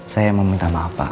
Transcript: saya meminta maaf pak